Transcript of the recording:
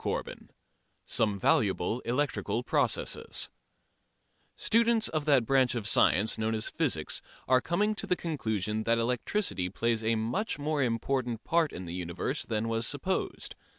CHAPTER IV SOME VALUABLE ELECTRICAL PROCESSES Students of that branch of science known as physics are coming to the conclusion that electricity plays a much more important part in the universe than was supposed.